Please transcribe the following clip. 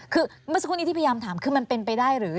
คือเมื่อสักครู่นี้ที่พยายามถามคือมันเป็นไปได้หรือ